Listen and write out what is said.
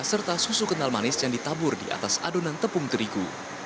serta susu kental manis yang ditabur di atas adonan tepung terigu